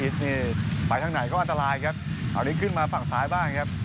อื้อโหโลวิสไปทางไหนก็อันตรายครับอันนี้ขึ้นมาฝั่งซ้ายบ้างครับ